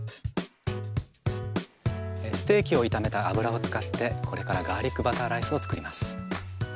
ステーキを炒めた油を使ってこれからガーリックバターライスを作ります。